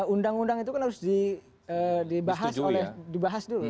undang undang itu kan harus dibahas dulu